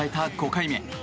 ５回目。